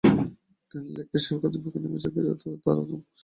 তিনি ল্যাঙ্কাশায়ার কর্তৃপক্ষের নির্বাচনকে যথার্থরূপ ধারনে অগ্রসর হন।